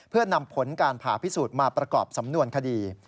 เพื่อนำผลการผ่าพิสูจน์มาประกอบสำนวนคดี